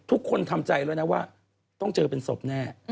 ทุกคนทำใจเลยนะว่าต้องเจอเป็นศพแน่